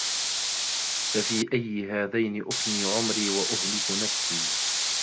فَفِي أَيِّ هَذَيْنِ أُفْنِي عُمْرِي وَأُهْلِكُ نَفْسِي